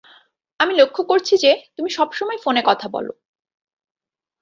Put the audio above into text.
আমি লক্ষ্য করছি যে তুমি সবসময় ফোনে কথা বলো।